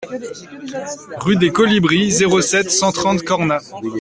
Rue des Colibris, zéro sept, cent trente Cornas